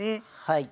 はい。